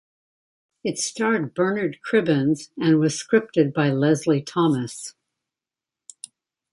It starred Bernard Cribbins and was scripted by Leslie Thomas.